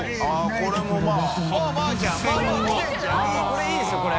これいいですよこれ。